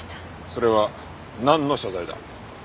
それはなんの謝罪だ？